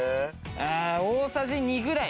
大さじ２ぐらい。